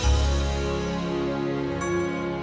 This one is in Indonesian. suami saya enggak